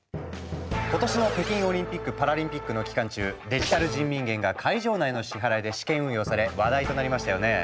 今年の北京オリンピック・パラリンピックの期間中「デジタル人民元」が会場内の支払いで試験運用され話題となりましたよね。